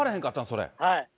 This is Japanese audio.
それ。